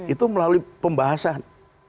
itu melalui pembahasan